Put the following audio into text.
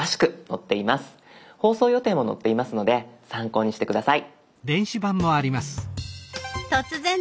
放送予定も載っていますので参考にして下さい。